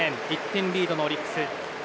１点リードのオリックス。